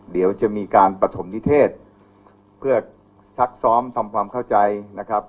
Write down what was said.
เดี๋ยวจะมีการปฐมนิเทศเพื่อซักซ้อมทำความเข้าใจนะครับ